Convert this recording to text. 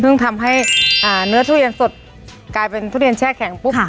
ซึ่งทำให้เนื้อทุเรียนสดกลายเป็นทุเรียนแช่แข็งปุ๊บ